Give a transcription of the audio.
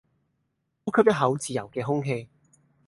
呼吸一口自由既空氣